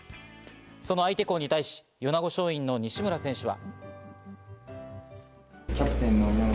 その相手校に対し、米子松蔭の西村選手は。